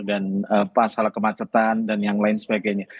dan masalah kemacetan dan yang lain sebagainya